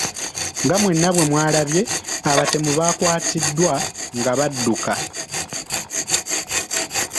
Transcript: Nga mwenna bwe mwalabye, abatemu baakwatiddwa nga badduka.